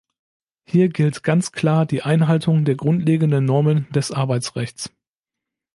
Hier gilt ganz klar die Einhaltung der grundlegenden Normen des Arbeitsrechts.